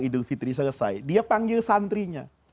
idul fitri selesai dia panggil santrinya